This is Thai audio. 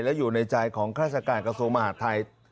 และอยู่ในใจของฆาติศาสตร์การกระทรวงมหาธรรมไทย